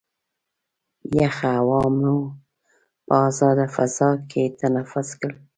یخه هوا مو په ازاده فضا کې تنفس کړل.